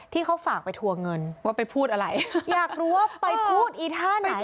ที่เขาฝากไปทัวร์เงินว่าไปพูดอะไรอยากรู้ว่าไปพูดอีท่าไหน